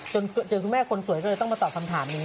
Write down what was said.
เจอคุณแม่คนสวยก็เลยต้องมาตอบคำถามนี้